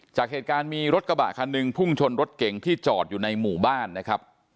จากเหตุการณ์มีรถกระบะคันหนึ่งพุ่งชนรถเก่งที่จอดอยู่ในหมู่บ้านนะครับ